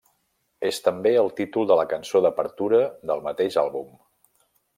És també el títol de la cançó d'apertura del mateix àlbum.